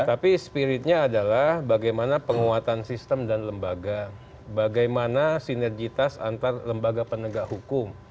tapi spiritnya adalah bagaimana penguatan sistem dan lembaga bagaimana sinergitas antar lembaga penegak hukum